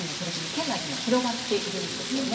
県内で広がっているんですよね。